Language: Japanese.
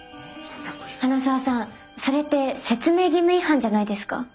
花澤さんそれって説明義務違反じゃないですか？